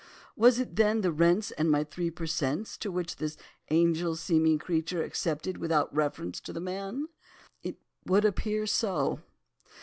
Was it then the rents and the three per cents which this angel seeming creature accepted without reference to the man? It would appear so.